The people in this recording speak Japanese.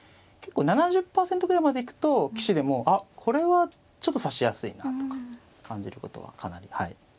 結構７０％ぐらいまで行くと棋士でもこれはちょっと指しやすいなとか感じることはかなりはい。